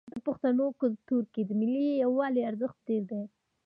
د پښتنو په کلتور کې د ملي یووالي ارزښت ډیر دی.